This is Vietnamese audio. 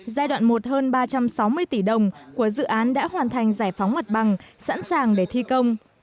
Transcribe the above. giai đoạn một hơn ba trăm sáu mươi tỷ đồng của dự án đã hoàn thành giải phóng mặt bằng sẵn sàng để thi công